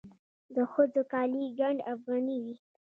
د ښځو کالي ګنډ افغاني وي.